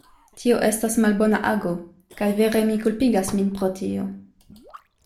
Tio estas malbona ago; kaj vere mi kulpigas min pro tio.